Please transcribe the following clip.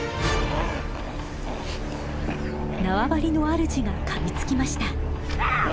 縄張りのあるじがかみつきました。